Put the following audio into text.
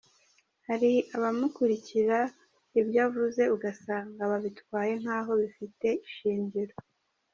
Hari abamukurikira ibyo avuze ugasanga babitwaye nkaho bifite ishingiro.